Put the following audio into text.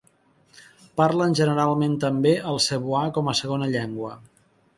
Parlen generalment també el cebuà com a segona llengua.